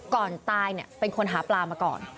ก่อนตายเป็นคนหาปลามาก่อน